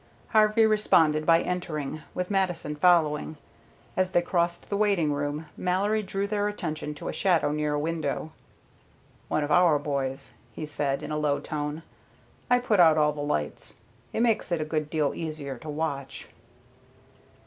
Harvey responded by entering, with Mattison following. As they crossed the waiting room, Mallory drew their attention to a shadow near a window. "One of our boys," he said in a low tone. "I put out all the lights. It makes it a good deal easier to watch."